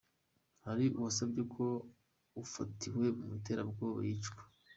Hari uwasabye ko ufatiwe mu iterabwoba yicwa.